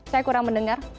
saya kurang mendengar